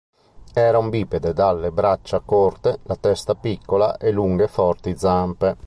Era un bipede dalle braccia corte, la testa piccola e lunghe e forti zampe.